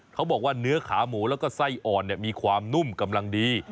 เขาบอกว่าเนื้อขาหมูแล้วก็ไส้อ่อนมีความนุ่มกำลังดี